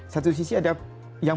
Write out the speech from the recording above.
satu sisi ada yang